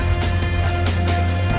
demikian perbicaraan kita dalam insider kali ini